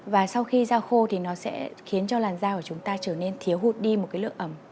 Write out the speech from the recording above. và sau khi ra khô thì nó sẽ khiến cho làn da của chúng ta trở nên thiếu hụt đi một cái lượng ẩm